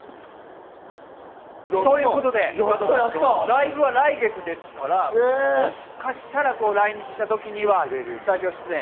ライブは来月ですから、もしかしたら来日したときにはスタジオ出演。